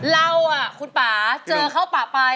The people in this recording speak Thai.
เราคุณป่าเจอเข้าป่าไป